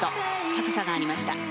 高さがありました。